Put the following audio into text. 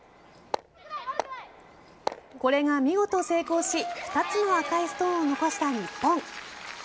これが見事成功し２つの赤いストーンを残した日本。